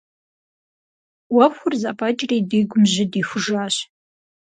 Ӏуэхур зэфӀэкӀри, ди гум жьы дихужащ.